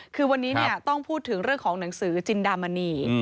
คือวันนี้ต้องพูดถึงเรื่องของหนังสือจินดามณี